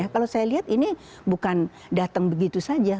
kalau saya lihat ini bukan datang begitu saja